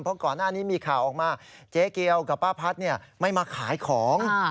เพราะก่อนหน้านี้มีข่าวออกมาเจ๊เกียวกับป้าพัดไม่มาขายของ